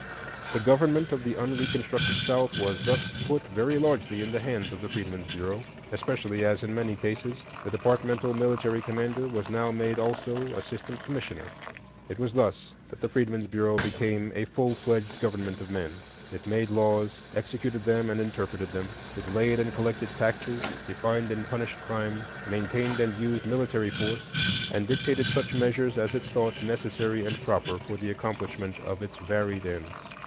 The government of the unreconstructed South was thus put very largely in the hands of the Freedmen's Bureau, especially as in many cases the departmental military commander was now made also assistant commissioner. It was thus that the Freedmen's Bureau became a full fledged government of men. It made laws, executed them and interpreted them; it laid and collected taxes, defined and punished crime, maintained and used military force, and dictated such measures as it thought necessary and proper for the accomplishment of its varied ends.